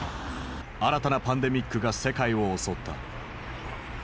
新たなパンデミックが世界を襲った。